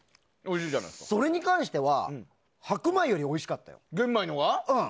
それに関しては白米よりおいしかったよ。